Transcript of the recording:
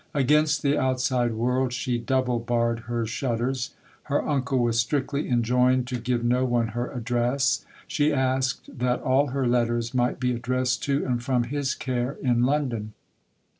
Against the outside world she double barred her shutters. Her uncle was strictly enjoined to give no one her address; she asked that all her letters might be addressed to and from his care in London.